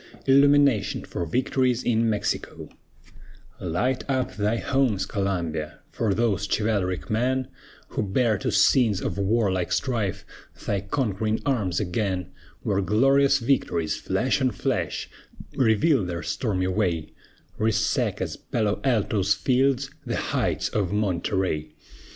ILLUMINATION FOR VICTORIES IN MEXICO Light up thy homes, Columbia, For those chivalric men Who bear to scenes of warlike strife Thy conquering arms again, Where glorious victories, flash on flash, Reveal their stormy way, Resaca's, Palo Alto's fields, The heights of Monterey!